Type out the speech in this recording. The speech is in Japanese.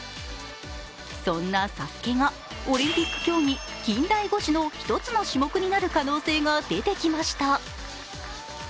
そんな「ＳＡＳＵＫＥ」がオリンピック競技、近代五種の一つの種目になる可能性が出てきました。